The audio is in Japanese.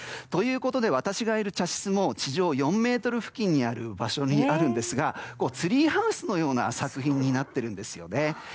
ということで私がいる茶室も地上４ｍの場所にあるんですがツリーハウスのような作品になっているんですね。